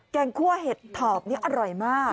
แกงคั่วเห็ดถอบนี่อร่อยมาก